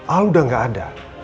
al udah gak ada